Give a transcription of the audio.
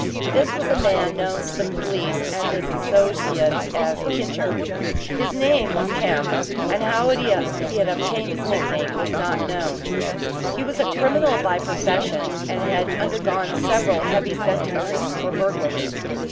This was a man known to the police and his associates as "Kincher." His name was Kemp, and how he had obtained his nick name was not known. He was a criminal by profession and had undergone several heavy sentences for burglary.